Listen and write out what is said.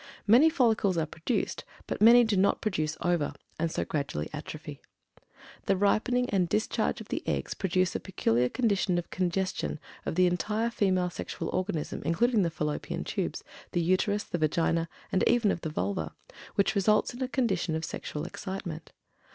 Many follicles are produced, but many do not produce ova, and so gradually atrophy. The ripening and discharge of the eggs produce a peculiar condition of congestion of the entire female sexual organism, including the Fallopian Tubes, the Uterus, the Vagina, and even of the Vulva, which results in a condition of Sexual Excitement.